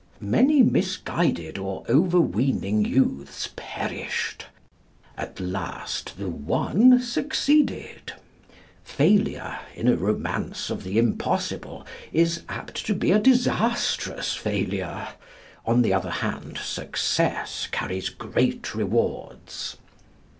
Many misguided or over weening youths perished; at last the One succeeded. Failure in a romance of the Impossible is apt to be a disastrous failure; on the other hand, success carries great rewards.